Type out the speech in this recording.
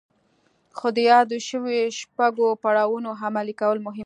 خو د يادو شويو شپږو پړاوونو عملي کول مهم دي.